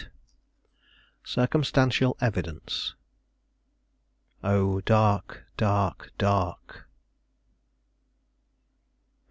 CIRCUMSTANTIAL EVIDENCE "O dark, dark, dark!"